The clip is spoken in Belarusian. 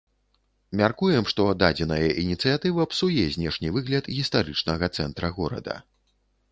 Мяркуем, што дадзеная ініцыятыва псуе знешні выгляд гістарычнага цэнтра горада.